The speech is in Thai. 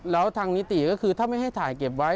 แล้วทางนิติก็คือถ้าไม่ให้ถ่ายเก็บไว้